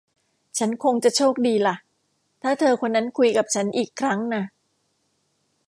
ฉันคงจะโชคดีล่ะ ถ้าเธอคนนั้นคุยกับฉันอีกครั้งน่ะ